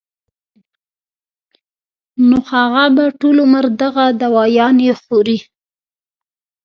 نو هغه به ټول عمر دغه دوايانې خوري